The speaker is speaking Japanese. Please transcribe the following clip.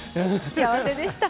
幸せでした。